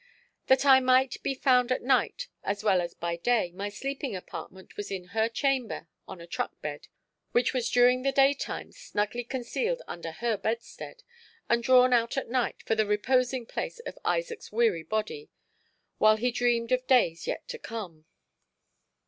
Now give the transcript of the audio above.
That I might be found at night as well as by day my sleeping apartment was in her chamber on a truckbed, which was during the day time snugly concealed under her bedstead and drawn out at night for the reposing place of Isaac's weary body while he dreamed of days yet to come.